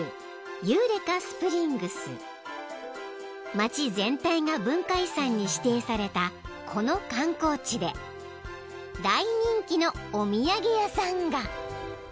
［街全体が文化遺産に指定されたこの観光地で大人気のお土産屋さんが］